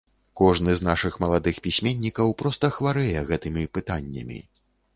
Кожны з нашых маладых пісьменнікаў проста хварэе гэтымі пытаннямі.